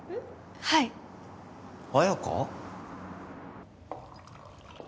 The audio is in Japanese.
はい綾香？